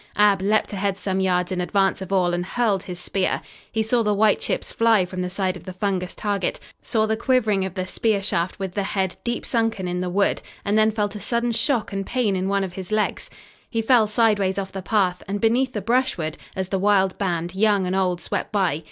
Ab leaped ahead some yards in advance of all and hurled his spear. He saw the white chips fly from the side of the fungus target, saw the quivering of the spear shaft with the head deep sunken in the wood, and then felt a sudden shock and pain in one of his legs. He fell sideways off the path and beneath the brushwood, as the wild band, young and old, swept by.